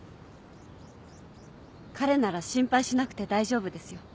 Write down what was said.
彼なら心配しなくて大丈夫ですよ。